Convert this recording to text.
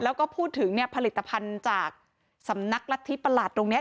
แล้วก็พูดถึงเนี่ยผลิตภัณฑ์จากสำนักรัฐธิประหลัดตรงนี้